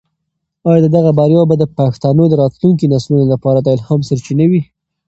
آیا دغه بریا به د پښتنو د راتلونکي نسلونو لپاره د الهام سرچینه وي؟